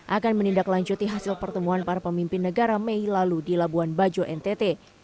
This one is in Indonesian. akan menindaklanjuti hasil pertemuan para pemimpin negara mei lalu di labuan bajo ntt